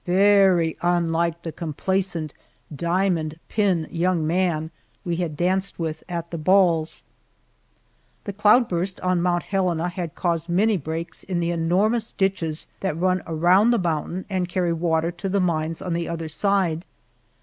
Very unlike the complacent, diamond pin young man we had danced with at the balls! The cloud burst on Mount Helena had caused many breaks in the enormous ditches that run around the mountain and carry water to the mines on the other side.